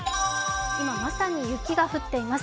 今まさに雪が降っています。